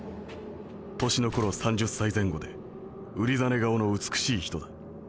年の頃３０歳前後でうりざね顔の美しい人だ。